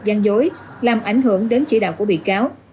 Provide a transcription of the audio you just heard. gian dối làm ảnh hưởng đến chỉ đạo của bị cáo